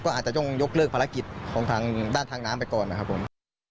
ก็อาจจะต้องยกเลิกภารกิจของทางด้านทางน้ำไปก่อนนะครับผม